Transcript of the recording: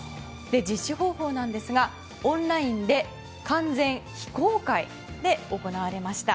実施方法ですが、オンラインで完全非公開で行われました。